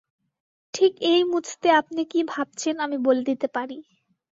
ঠিক এই মুছতে আপনি কী ভাবছেন, আমি বলে দিতে পারি।